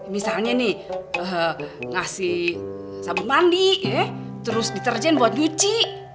misalnya nih ngasih sabu mandi terus deterjen buat nyuci